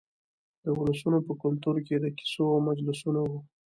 د ولسونو په کلتور کې د کیسو مجلسونه وو.